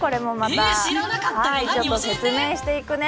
教えて説明していくね。